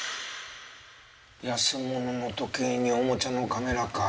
安物の時計におもちゃのカメラか。